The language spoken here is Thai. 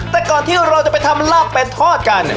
แต่ก่อนที่เราจะไปทำลาบเป็นทอดกัน